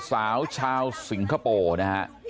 สาวชาวสิงคโปร์นะฮะ